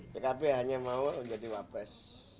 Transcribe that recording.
yang penting wapres